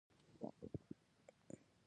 ورته ووایه چې دا غریب نور مه وهئ.